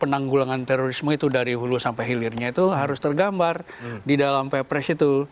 penanggulangan terorisme itu dari hulu sampai hilirnya itu harus tergambar di dalam pepres itu